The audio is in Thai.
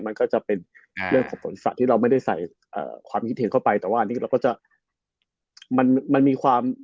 มันก็จะเป็นเรื่องของตนศาสตร์ที่เราไม่ได้ใส่ความคิดเห็นเข้าไป